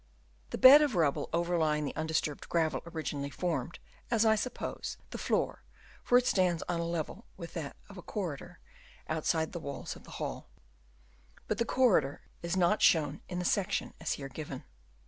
The bed of rubble overly ing the undisturbed gravel originally formed, as I suppose, the floor, for it stands on a level with that of a corridor, outside the walls of the Hall; but the corridor is not shown in the section as here given.